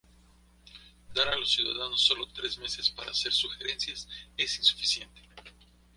dar a los ciudadanos solo tres meses para hacer sugerencias es insuficiente